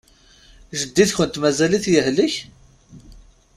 Jeddi-tkent mazal-it yehlek?